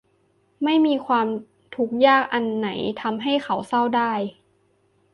ไม่มีความทุกข์ยากอันไหนทำให้เขาเศร้าได้